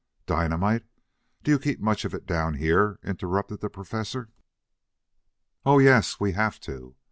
"Dynamite? Do you keep much of it down here?" interrupted the Professor. "Oh, yes, we have to.